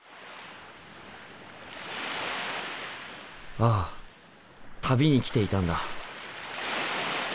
ああ旅に来ていたんだ。